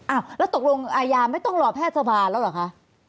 อ้าวแล้วตกลงอายาไม่ต้องรอแพทย์สภาแล้วเหรอคะ